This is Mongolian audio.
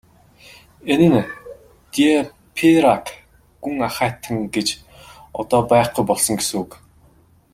Энэ нь де Пейрак гүн ахайтан гэж одоо байхгүй болсон гэсэн үг.